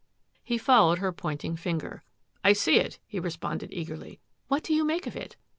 " He followed her pointing finger. " I see it," he responded eagerly. " What do you make of it?